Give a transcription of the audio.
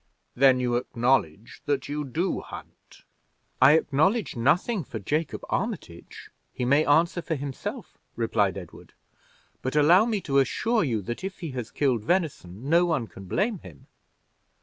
"Then you acknowledge that you do hunt?" "I acknowledge nothing for Jacob Armitage; he may answer for himself," replied Edward; "but allow me to assure you that if he has killed venison, no one can blame him."